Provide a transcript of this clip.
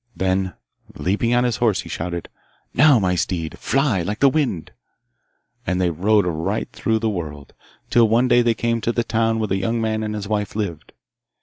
Then, leaping on his horse, he shouted, 'Now, my steed, fly like the wind!' and they rode right through the world, till one day they came to the town where the young man and his wife lived.